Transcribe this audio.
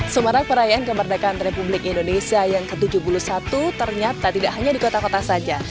semarang perayaan kemerdekaan republik indonesia yang ke tujuh puluh satu ternyata tidak hanya di kota kota saja